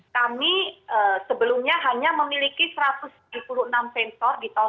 kami sebelumnya hanya memiliki satu ratus tujuh puluh enam sensor di tahun dua ribu dua puluh